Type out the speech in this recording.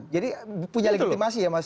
jadi punya legitimasi ya mas